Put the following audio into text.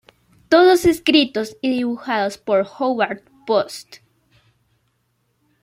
Todos escritos y dibujados por "Howard Post".